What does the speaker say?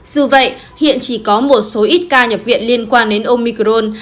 dù vậy hiện chỉ có một số ít ca nhập viện liên quan đến omicron